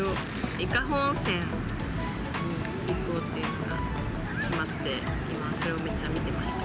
伊香保温泉に行こうって今決まって、それをめっちゃ見てました。